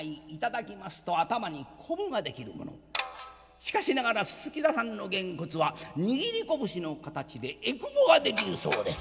しかしながら薄田さんのげんこつは握り拳の形でえくぼが出来るそうです。